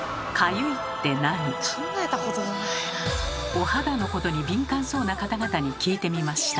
お肌のことに敏感そうな方々に聞いてみました。